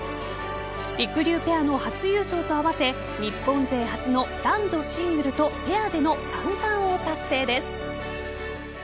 りくりゅうペアの初優勝と合わせ日本勢初の男女シングルとペアでの３冠を達成です。